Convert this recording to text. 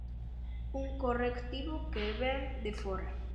Un correctivo que vén de fóra.